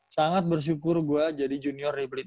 sangat bersyukur gue jadi junior di blit